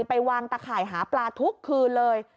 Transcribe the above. ไปวางตะข่ายหาปลาทุกคืนเลย